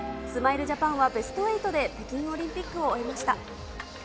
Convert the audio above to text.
スマイルジャパンはベスト８で北京オリンピックを終えました。